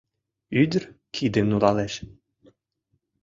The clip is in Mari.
Ӱдыр кидым нулалеш